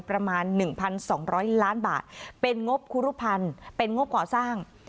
ประมาณ๑๒๐๐ล้านบาทเป็นงบคุรุพันธ์เป็นงบก่อสร้าง